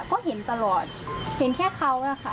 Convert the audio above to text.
ก็เห็นตลอดเห็นแค่เขานะคะ